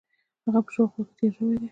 هغه په شاوخوا کې تېر شوی دی.